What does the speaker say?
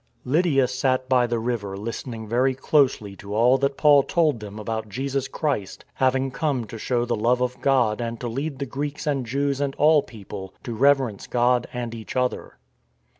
Lydia sat by the river listening very closely to all that Paul told them about Jesus Christ having come to show the love of God and to lead the Greeks and Jews and all people to reverence God and each other.